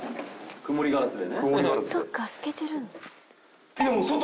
曇りガラスで。